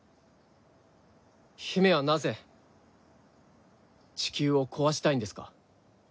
姫はなぜ地球を壊したいんですか？